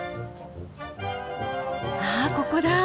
あここだ。